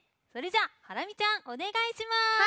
それじゃハラミちゃんおねがいします！